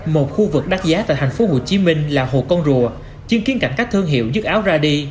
một khu vực đắt giá tại tp hcm là hồ con rùa chứng kiến cảnh các thương hiệu dứt áo ra đi